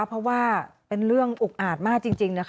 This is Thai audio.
เพราะว่าเป็นเรื่องอุกอาจมากจริงนะคะ